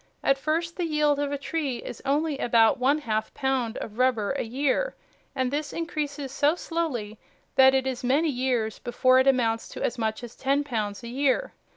At first the yield of a tree is only about one half pound of rubber a year, and this increases so slowly that it is many years before it amounts to as much as ten pounds a year.